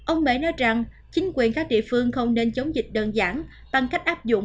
ông mẽ nói rằng chính quyền các địa phương không nên chống dịch đơn giản bằng cách áp dụng